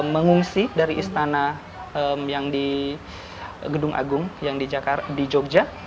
mengungsi dari istana yang di gedung agung yang di jogja